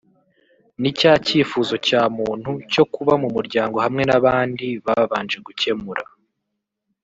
ni cya cyifuzo cya muntu cyo kuba mu muryango hamwe n’abandi babanje gukemura